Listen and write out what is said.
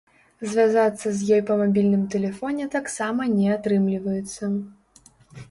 Звязацца з ёй па мабільным тэлефоне таксама не атрымліваецца.